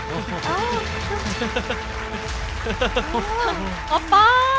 ขอบคุณครับ